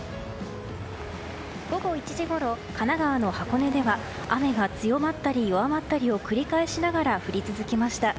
午後１時ごろ、神奈川の箱根では雨が強まったり弱まったりを繰り返しながら降り続きました。